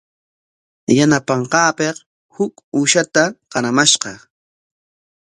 Yanapanqaapik huk uushata qaramashqa.